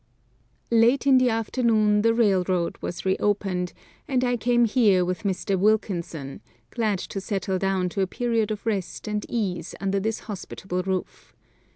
Late in the afternoon the railroad was re opened, and I came here with Mr. Wilkinson, glad to settle down to a period of rest and ease under this hospitable roof.